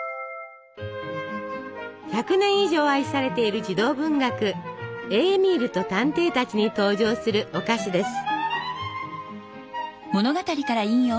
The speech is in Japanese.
１００年以上愛されている児童文学「エーミールと探偵たち」に登場するお菓子です。